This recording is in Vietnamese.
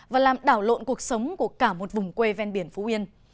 và làm đảo lộn cuộc sống của cả một vùng quê ven biển phú yên